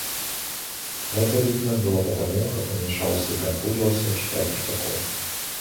Это видно было по тому, как он мешался и конфузился, читая протокол.